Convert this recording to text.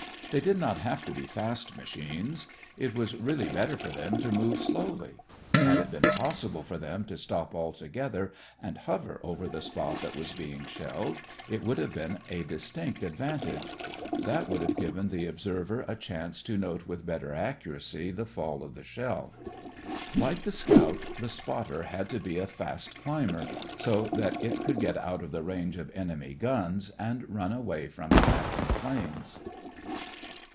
They did not have to be fast machines. It was really better for them to move slowly. Had it been possible for them to stop altogether and hover over the spot that was being shelled, it would have been a distinct advantage. That would have given the observer a chance to note with better accuracy the fall of the shell. Like the scout, the spotter had to be a fast climber, so that it could get out of the range of enemy guns and run away from attacking planes.